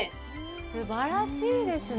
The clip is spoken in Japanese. すばらしいですね。